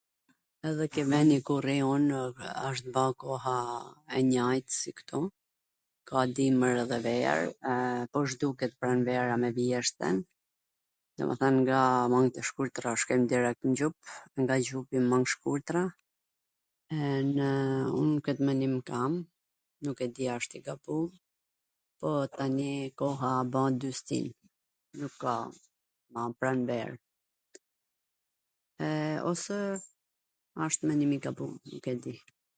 Edhe ke veni ku rri unw asht ba koha e njajt si ktu, ka dimwr edhe ver, po zhduket pranvera me vjeshtwn, domethwn nga mangt e shkurtra shkojm der edhe n xhup, nga xhupi n mang t shkurtra, ene un kwt menim kam, nuk e di a asht i gabu, po tani koha ban dy stin. Nuk ka ma pranver. Ose asht menim i gabu, nuk e di.